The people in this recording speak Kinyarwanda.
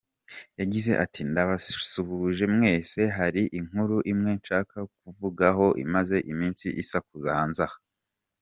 Yagize ati “Ndabasuhuje mwese, hari inkuru imwe nshaka kuvugaho imaze iminsi isakuza hanze aha.